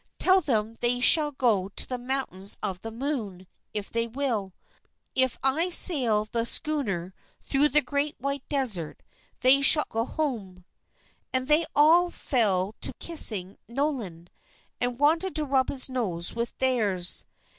"Tell them they shall go to the Mountains of the Moon, if they will. If I sail the schooner through the Great White Desert, they shall go home!" And then they all fell to kissing Nolan, and wanted to rub his nose with theirs.